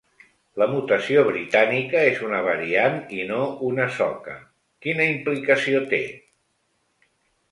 La mutació britànica és una variant i no una soca: quina implicació té?